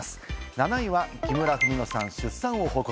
７位は木村文乃さん、出産を報告。